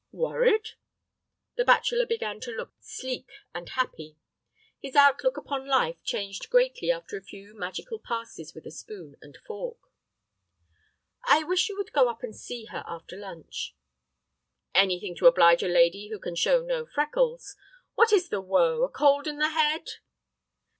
"Worried?" The bachelor began to look sleek and happy. His outlook upon life changed greatly after a few magical passes with a spoon and fork. "I wish you would go up and see her after lunch." "Anything to oblige a lady who can show no freckles. What is the woe? A cold in the head?"